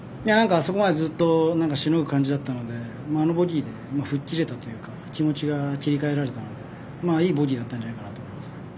あそこはずっとしのぐ感じだったのであのボギーで吹っ切れたというか気持ちが切り替えられたのでいいボギーだったと思います。